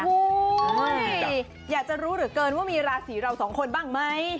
อยากจะรู้เหลือเกินว่ามีราศีเราสองคนบ้างไหม